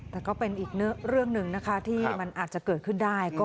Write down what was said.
แต่ก็เป็นอีกเรื่องหนึ่งนะคะที่มันอาจจะเกิดขึ้นได้